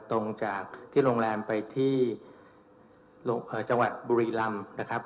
ตรงจากที่โรงแรมไปที่จังหวัดบุรีรำนะครับ